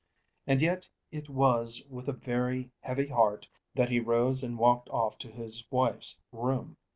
And yet it was with a very heavy heart that he rose and walked off to his wife's room.